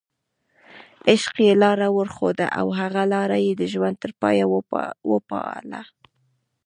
عشق یې لاره ورښوده او هغه لاره یې د ژوند تر پایه وپالله.